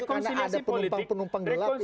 karena ada penumpang penumpang gelap